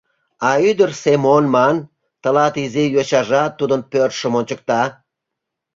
А Ӱдыр Семон ман, тылат изи йочажат тудын пӧртшым ончыкта.